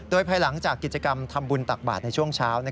โดยภายหลังจากกิจกรรมทำบุญตักบาทในช่วงเช้า